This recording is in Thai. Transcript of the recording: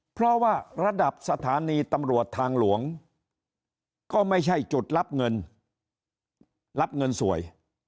เพราะว่าระดับสถานีตำรวจทางหลวงก็ไม่ใช่จุดรับเงินรับเงินสวย